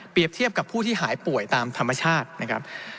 เทียบกับผู้ที่หายป่วยตามธรรมชาตินะครับ